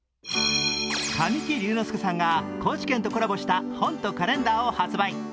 神木隆之介さんが高知県とコラボした本とカレンダーを発売。